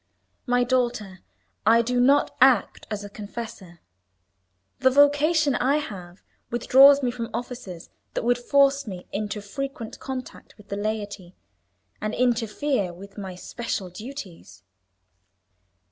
"My daughter, I do not act as a confessor. The vocation I have withdraws me from offices that would force me into frequent contact with the laity, and interfere with my special duties."